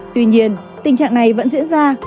tuy nhiên tình trạng này vẫn diễn ra